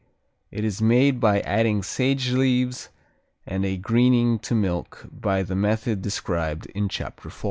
It is made by adding sage leaves and a greening to milk by the method described in Chapter 4.